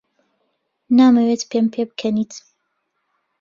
نامەوێت پێم پێبکەنیت.